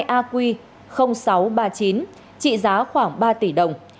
aq sáu trăm ba mươi chín trị giá khoảng ba tỷ đồng